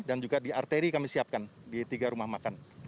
dan juga di arteri kami siapkan di tiga rumah makan